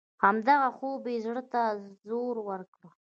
همدغه خوب یې زړه ته زور ورکړ.